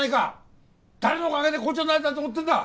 誰のおかげで校長になれたと思ってんだ！